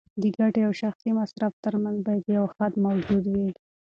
د ګټې او شخصي مصرف ترمنځ باید یو حد موجود وي.